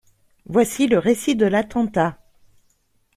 Voici le récit de l’attentat.